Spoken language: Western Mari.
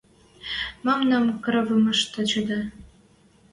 Мӓмнӓм кравымышты чӹдӹ?